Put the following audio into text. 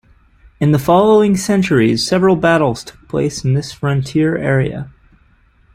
In the following centuries, several battles took place in this frontier area.